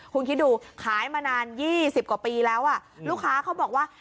คุณคิดดูขายมานาน๒๐กว่าปีแล้วอ่ะลูกค้าเขาบอกว่า